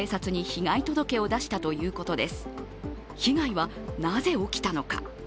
被害はなぜ起きたのか。